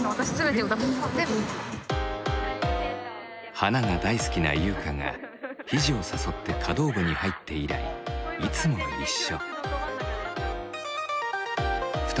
花が大好きなゆうかがひじを誘って華道部に入って以来いつも一緒。